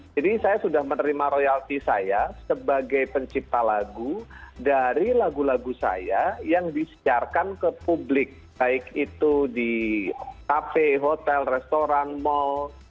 jadi saya sudah menerima royalti saya sebagai pencipta lagu dari lagu lagu saya yang disiarkan ke publik baik itu di kafe hotel restoran mal